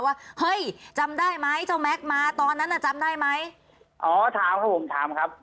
ว่าเฮ้ยจำได้ไหมเจ้าแม็กซ์มาตอนนั้นน่ะจำได้ไหมอ๋อถามครับผมถามครับ